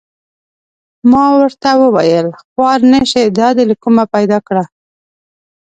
ما ورته و ویل: خوار نه شې دا دې له کومه را پیدا کړه؟